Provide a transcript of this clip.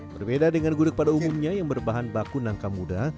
berbeda dengan gudeg pada umumnya yang berbahan baku nangka muda